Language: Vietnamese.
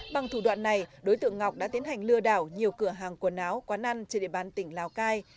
bằng thủ đoạn này đối tượng ngọc đã tiến hành lừa đảo nhiều cửa hàng quần áo quán ăn trên địa bàn tỉnh lào cai